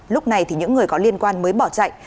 lúc này thì những người có liên quan mới bỏ chạy